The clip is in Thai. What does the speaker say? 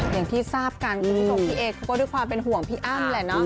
อย่างที่ที่ทราบกันที่ทรงพี่เอก็ก็ด้วยความเป็นห่วงพี่อ้ำแหละนะ